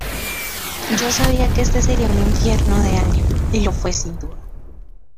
Yo sabía que este sería un infierno de año, y lo fue sin duda.